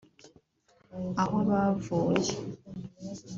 aho bavuye